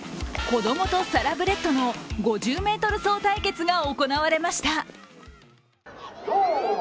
子供とサラブレッドの５０ｍ走対決が行われました。